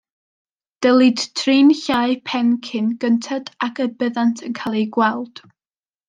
Dylid trin llau pen cyn gynted ag y byddant yn cael eu gweld.